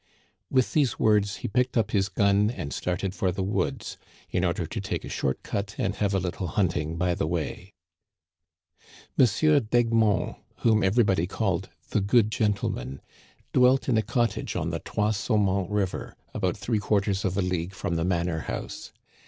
With these words, he picked up his gun and started Digitized by VjOOQIC 138 THE CANADIANS OF CLD, for the woods, in order to take a short cut and have a little hunting by the way. M. d'Egmont, whom everybody called the good gentleman," dwelt in a cottage on the Trois Sau mons River, about three quarters of a league from the manor house.